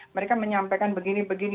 mereka menyampaikan begini begini